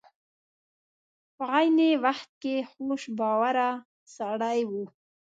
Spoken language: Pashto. په عین وخت کې خوش باوره سړی و.